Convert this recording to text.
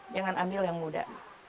jangan ambil yang muda